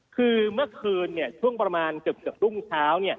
คือเมื่อคืนช่วงประมาณเกือบรุ่งเช้า